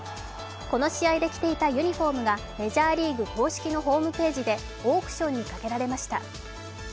この試合で着ていたユニフォームがメジャーリーグ公式のホームページでオークションにかけられました。